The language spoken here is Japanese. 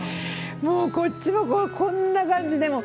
もうこっちもこんな感じで。